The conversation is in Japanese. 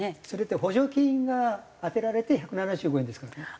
それって補助金が充てられて１７５円ですからね。